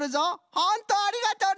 ホントありがとな。